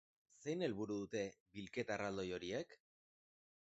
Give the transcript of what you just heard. Zein helburu dute bilketa erraldoi horiek?